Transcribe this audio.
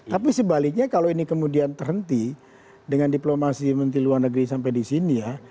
tapi sebaliknya kalau ini kemudian terhenti dengan diplomasi menteri luar negeri sampai di sini ya